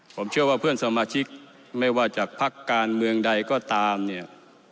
ผมเชื่อว่าเพื่อนสมาชิกไม่ว่าจากพักการเมืองใดก็ตามเนี่ย